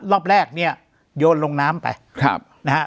รอบแรกเนี่ยโยนลงน้ำไปครับนะฮะ